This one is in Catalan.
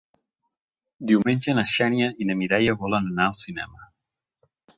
Diumenge na Xènia i na Mireia volen anar al cinema.